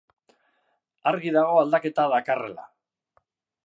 Argi dago aldaketa dakarrela.